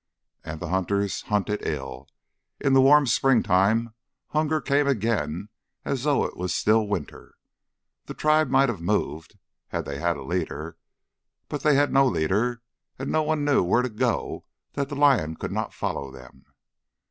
And the hunters hunted ill: in the warm spring time hunger came again as though it was still winter. The tribe might have moved, had they had a leader, but they had no leader, and none knew where to go that the lion could not follow them.